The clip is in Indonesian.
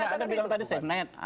anda bilang tadi safenet